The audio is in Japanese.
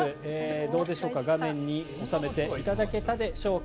どうでしょうか、画面に収めていただけたでしょうか。